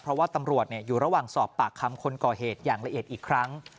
เพราะว่าตำรวจอยู่ระหว่างสอบปากคำคนก่อเหตุอย่างละเอียดอีกครั้ง